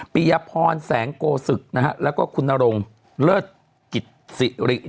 ปียพรแสงโกศึกแล้วก็คุณนรงเลิศกิจสิริ